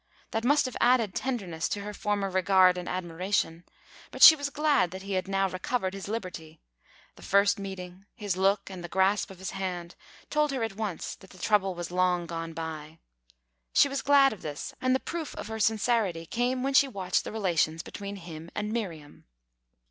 That must have added tenderness to her former regard and admiration. But she was glad that he had now recovered his liberty; the first meeting, his look and the grasp of his hand, told her at once that the trouble was long gone by. She was glad of this, and the proof of her sincerity came when she watched the relations between him and Miriam.